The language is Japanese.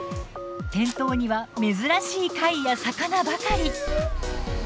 店頭には珍しい貝や魚ばかり。